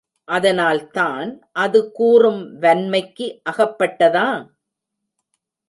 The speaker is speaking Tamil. அதனால் தான், அது கூறும் வன்மைக்கு அகப்பட்டதா?